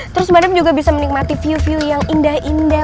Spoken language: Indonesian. terus badam juga bisa menikmati view view yang indah indah